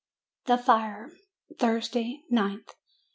THE FIRE Thursday, nth.